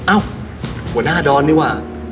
เอ้าหัวหน้าดอนนี่ว่ะ